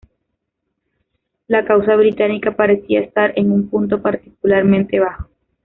La causa británica parecía estar en un punto particularmente bajo.